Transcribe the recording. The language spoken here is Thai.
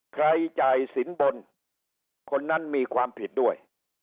จ่ายสินบนคนนั้นมีความผิดด้วย